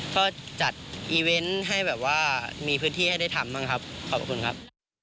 ก็จัดอีเวนต์ให้แบบว่ามีพื้นที่ให้ได้ทำบ้างครับขอบคุณครับ